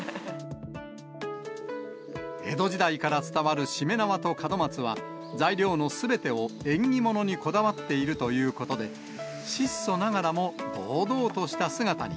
江戸時代から伝わるしめ縄と門松は、材料のすべてを縁起物にこだわっているということで、質素ながらも堂々とした姿に。